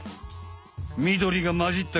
みどりがまじった